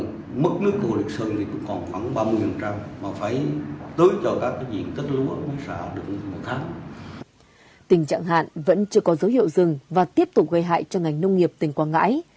cây trồng chưa có dấu hiệu dừng và tiếp tục gây hại cho ngành nông nghiệp tỉnh quảng ngãi